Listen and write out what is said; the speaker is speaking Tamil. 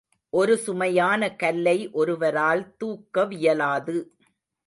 ஒரு சுமையான கல்லை ஒருவரால் தூக்கவியலாது.